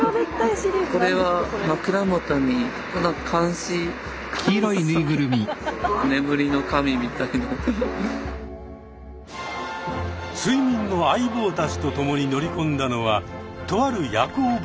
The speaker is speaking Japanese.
睡眠の相棒たちと共に乗り込んだのはとある夜行バス。